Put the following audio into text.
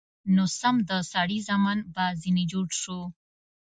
نو سم د سړي زامن به ځنې جوړ سو.